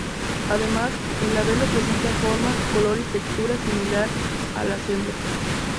Además, el labelo presenta forma, color y textura similar a las hembras.